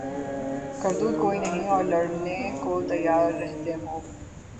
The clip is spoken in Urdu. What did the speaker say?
کرتوت کوئی نہیں اور لڑنے کو تیار رہتے ہو